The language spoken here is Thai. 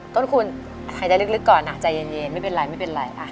ต้นคุณหายใจลึกก่อนนะใจเย็นไม่เป็นไร